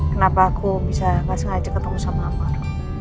kenapa aku bisa gak sengaja ketemu sama amar